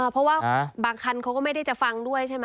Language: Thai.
เพราะว่าบางคันเขาก็ไม่ได้จะฟังด้วยใช่ไหม